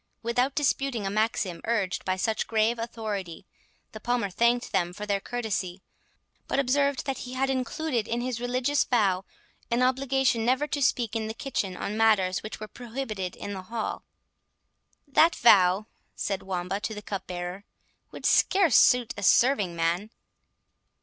Without disputing a maxim urged by such grave authority, the Palmer thanked them for their courtesy, but observed that he had included in his religious vow, an obligation never to speak in the kitchen on matters which were prohibited in the hall. "That vow," said Wamba to the cupbearer, "would scarce suit a serving man."